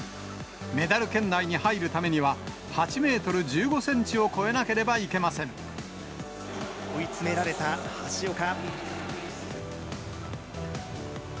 メダル圏内に入るためには、８メートル１５センチを超えなけ追い詰められた橋岡。